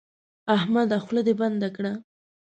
احمده خوله دې بنده کړه.